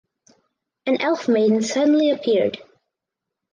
An elf maiden suddenly appeared.